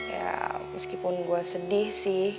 ya meskipun gue sedih sih